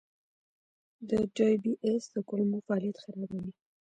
د ډایبی ایس د کولمو فعالیت خرابوي.